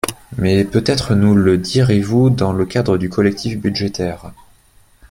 Mais peut-être nous le direz-vous dans le cadre du collectif budgétaire.